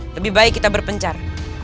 lebih baik kita berpencar